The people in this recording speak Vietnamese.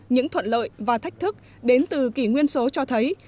những thuận lợi và thách thức đến từ kỷ nguyên số cho thấy